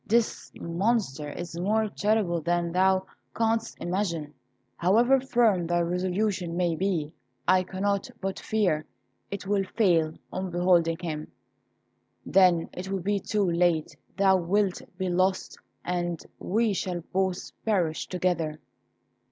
This Monster is more terrible than thou canst imagine. However firm thy resolution may be, I cannot but fear it will fail on beholding him; then it will be too late; thou wilt be lost, and we shall both perish together."